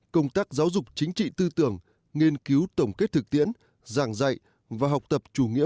công tác giáo dục chính trị tư tưởng nghiên cứu tổng kết thực tiễn giảng dạy và học tập chủ nghĩa